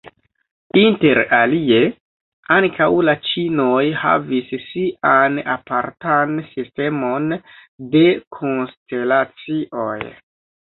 Inter alie, ankaŭ la ĉinoj havis sian apartan sistemon de konstelacioj.